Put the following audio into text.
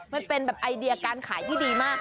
มันเป็นแบบไอเดียการขายที่ดีมาก